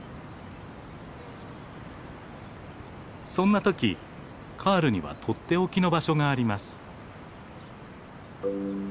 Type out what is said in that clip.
そんなときカールには取って置きの場所があります。